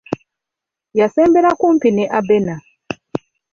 Yasembera kumpi ne Abena.